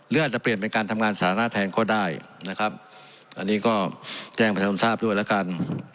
เลือดจะเปลี่ยนเป็นการทำงานสาธารณะแทนก็ได้นะครับอันนี้ก็แจ้งประชาติศาสตร์ด้วยแล้วกัน